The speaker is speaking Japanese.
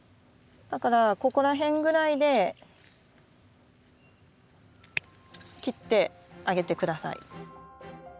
だからここら辺ぐらいで切ってあげて下さい。